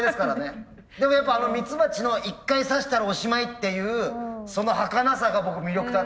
でもやっぱあのミツバチの一回刺したらおしまいっていうそのはかなさが僕魅力だったんですよ。